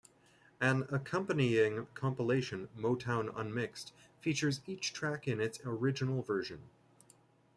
An accompanying compilation, "Motown Unmixed", features each track in its original version.